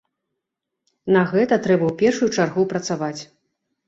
На гэта трэба ў першую чаргу працаваць.